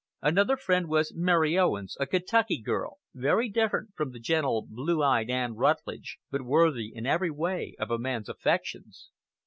Another friend was Mary Owens, a Kentucky girl, very different from the gentle, blue eyed Ann Rutledge, but worthy in every way of a man's affections.